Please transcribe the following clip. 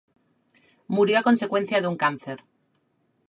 Murió a consecuencia de un cáncer.